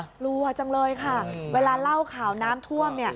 กลัวจังเลยค่ะเวลาเล่าข่าวน้ำท่วม